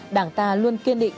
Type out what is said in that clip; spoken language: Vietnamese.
đảng ta luôn kiên định